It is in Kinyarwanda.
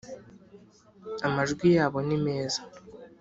amajwi yabo ni meza